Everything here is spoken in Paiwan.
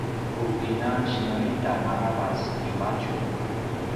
ku kina senglitan aravac timadju